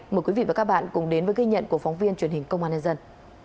mời quý vị và các bạn cùng đến với ghi nhận của phóng viên truyền hình công an nhân dân